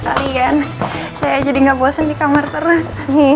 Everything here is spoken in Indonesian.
kalian saya jadi nggak bosan di kamar terus